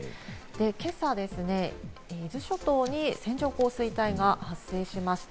今朝、伊豆諸島に線状降水帯が発生しました。